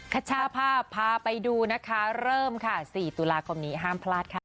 ชาภาพพาไปดูนะคะเริ่มค่ะ๔ตุลาคมนี้ห้ามพลาดค่ะ